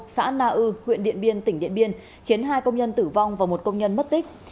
xã na ư huyện điện biên tỉnh điện biên khiến hai công nhân tử vong và một công nhân mất tích